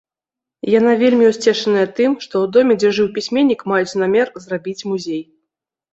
Яна вельмі ўсцешаная тым, што ў доме, дзе жыў пісьменнік, маюць намер зрабіць музей.